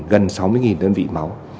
gần sáu mươi nghìn đơn vị máu